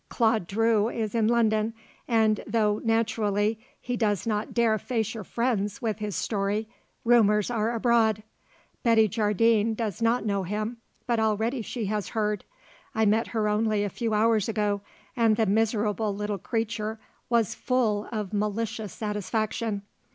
Claude Drew is in London and though, naturally, he does not dare face your friends with his story, rumours are abroad. Betty Jardine does not know him, but already she has heard; I met her only a few hours ago and the miserable little creature was full of malicious satisfaction.